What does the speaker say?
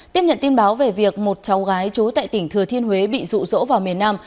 tiếp nhận tin báo về việc một cháu gái trú tại tỉnh thừa thiên huế bị rụ rỗ vào miền nam